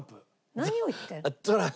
何を言ってるの？